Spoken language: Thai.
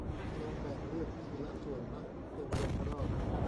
ลองแบ่งเลือกทีละส่วนมะ เป็นวงรอบ